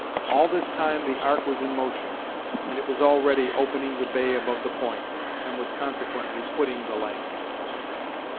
All this time the Ark was in motion, and it was already opening the bay above the point, and was consequently quitting the land.